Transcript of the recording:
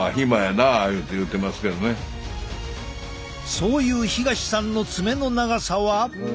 そういう東さんの爪の長さは。